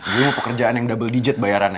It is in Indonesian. gue pekerjaan yang double digit bayarannya